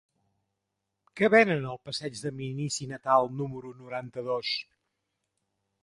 Què venen al passeig de Minici Natal número noranta-dos?